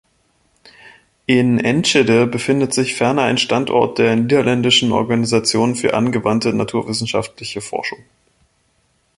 In Enschede befindet sich ferner ein Standort der Niederländischen Organisation für Angewandte Naturwissenschaftliche Forschung.